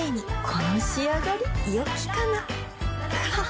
この仕上がりよきかなははっ